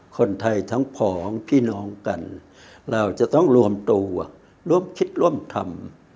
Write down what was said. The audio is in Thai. คนไทยทั้งผองพี่น้องกันเราจะต้องรวมตัวร่วมคิดร่วมทำ